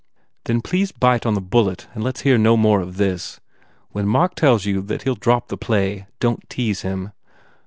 "Then please bite on the bullet and let s hear no more of this. When Mark tells you he ll drop the play, don t tease him."